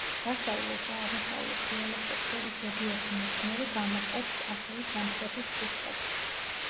დასავლურ და აღმოსავლურ დიალექტებს შორის ზოგიერთი მეცნიერი გამოჰყოფს ასევე სამხრეთის ჯგუფსაც.